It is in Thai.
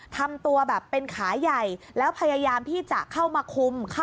ทำตัวแบบเป็นขาใหญ่แล้วพยายามที่จะเข้ามาคุม